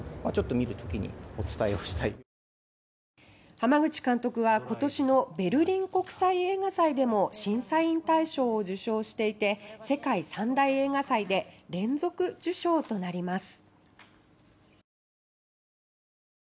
濱口監督は今年のベルリン国際映画祭でも審査員大賞を受賞していて世界三大映画祭で連続受賞となります。